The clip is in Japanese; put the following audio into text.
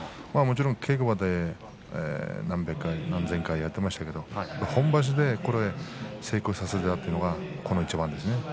もちろん稽古場で、なんべんか何千回もやってましたけど本場所で成功させたというのがこの一番ですね。